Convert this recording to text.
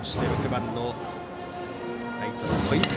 ６番のライト、小泉。